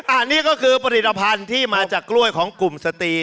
อันนี้คือประดิษฐฟันที่มาจากกล้วยของกลุ่มสตรี